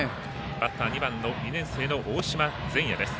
バッター、２番の２年生の大島善也です。